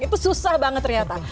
itu susah banget ternyata